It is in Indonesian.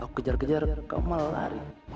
aku kejar kejar kamu malah lari